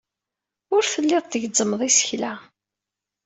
Ur telliḍ tgezzmeḍ isekla.